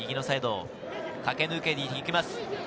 駆け抜けていきます。